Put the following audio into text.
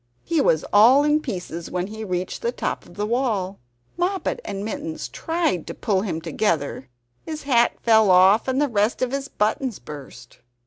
He was all in pieces when he reached the top of the wall. Moppet and Mittens tried to pull him together; his hat fell off, and the rest of his buttons burst.